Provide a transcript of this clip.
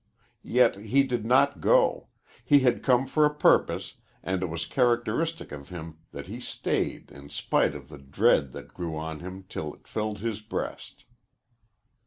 Yet he did not go. He had come for a purpose, and it was characteristic of him that he stayed in spite of the dread that grew on him till it filled his breast.